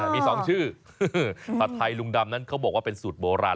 มี๒ชื่อผัดไทยลุงดำนั้นเขาบอกว่าเป็นสูตรโบราณ